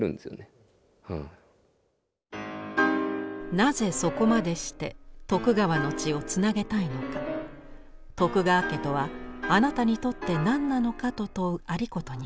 「なぜそこまでして徳川の血をつなげたいのか徳川家とはあなたにとって何なのか」と問う有功に春日局は答えます。